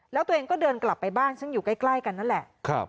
แล้วตัวเองก็เดินกลับไปบ้านซึ่งอยู่ใกล้กันนั่นแหละ